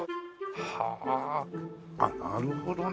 はあなるほどね。